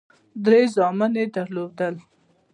درې زامن یې درلودل.